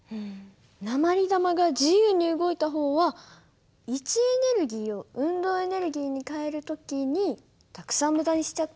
鉛玉が自由に動いた方は位置エネルギーを運動エネルギ−に変える時にたくさん無駄にしちゃったって訳か。